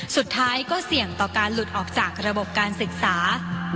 สุดท้ายก็เสี่ยงต่อการหลุดออกจากระบบการศึกษา